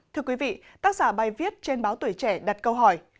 thưa quý vị tác giả bài viết trên báo tuổi trẻ đặt câu hỏi